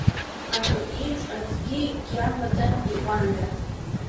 Афатә еиԥш аӡгьы гьамадан, иҟәандан.